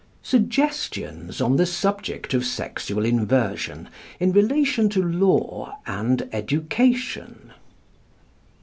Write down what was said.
X. SUGGESTIONS ON THE SUBJECT OF SEXUAL INVERSION IN RELATION TO LAW AND EDUCATION.